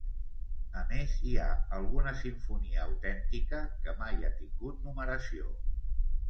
A més, hi ha alguna simfonia autèntica que mai ha tingut numeració.